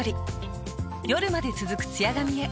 夜まで続くツヤ髪へ。